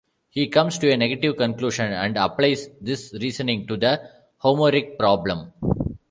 He comes to a negative conclusion, and applies this reasoning to the Homeric problem.